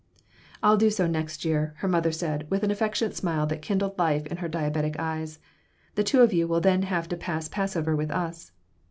"I'll do so next year," her mother said, with an affectionate smile that kindled life in her diabetic eyes. "The two of you will then have to pass Passover with us."